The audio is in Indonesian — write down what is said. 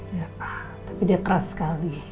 iya pak tapi dia keras sekali